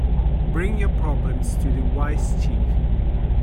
Bring your problems to the wise chief.